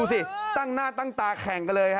เป็นสองหนุ่มดูสิตั้งหน้าตั้งตาแข่งกันเลยฮะ